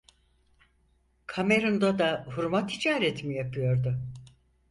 Kamerun'da da hurma ticareti mi yapıyordu?